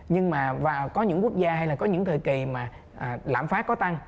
nhưng mà có những quốc gia hay là có những thời kỳ mà lạm phát có tăng